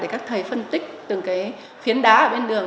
để các thầy phân tích từng cái phiến đá ở bên đường